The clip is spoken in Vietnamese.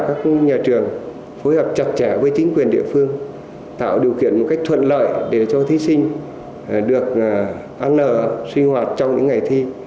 các nhà trường phối hợp chặt chẽ với chính quyền địa phương tạo điều kiện một cách thuận lợi để cho thí sinh được ăn nở sinh hoạt trong những ngày thi